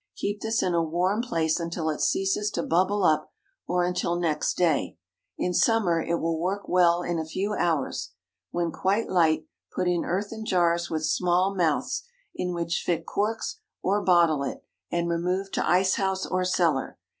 Keep this in a warm place until it ceases to bubble up, or until next day. In summer it will work well in a few hours. When quite light, put in earthen jars with small mouths, in which fit corks, or bottle it, and remove to ice house or cellar.